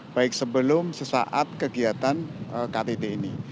baik sebelum sesaat kegiatan ktt ini